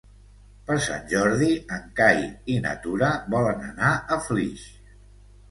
Per Sant Jordi en Cai i na Tura volen anar a Flix.